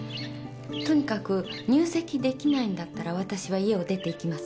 とにかく入籍できないんだったらわたしは家を出ていきますから。